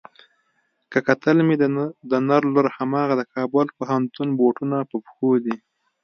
که کتل مې د نر لور هماغه د کابل پوهنتون بوټونه په پښو دي.